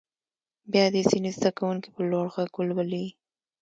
بیا دې ځینې زده کوونکي په لوړ غږ ولولي.